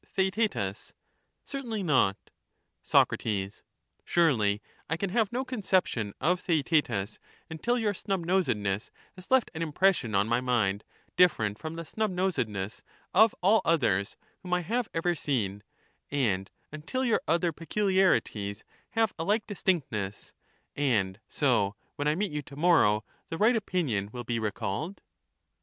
Theaet. Certainly not. Soc. Surely I can have no conception of Theaetetus until your snub nosedness has left an impression on my mind different from the snub nosedness of all others whom I have ever seen, and until your other peculiarities have a like Digitized by VjOOQIC We are arguing in a circle, 279 distinctness ; and so when I meet you to morrow the right Theaetetus, opinion will be re called